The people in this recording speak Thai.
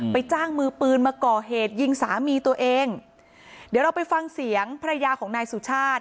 จ้างมือปืนมาก่อเหตุยิงสามีตัวเองเดี๋ยวเราไปฟังเสียงภรรยาของนายสุชาติ